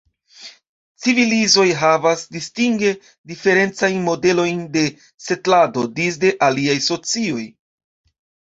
Civilizoj havas distinge diferencajn modelojn de setlado disde aliaj socioj.